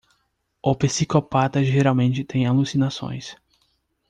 O psicopata geralmente tem alucinações.